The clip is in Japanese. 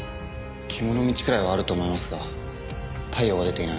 獣道くらいはあると思いますが太陽が出ていない